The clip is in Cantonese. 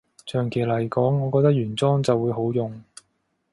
長期來講，我覺得原裝就會好用